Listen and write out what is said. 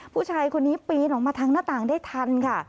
ผู้ชายคนนี้ปีนออกมาทางหน้าต่างได้ทันค่ะ